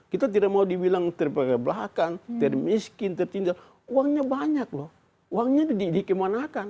kita tidak mau dibilang terpakai belakang termiskin tertindak uangnya banyak loh uangnya dikemanakan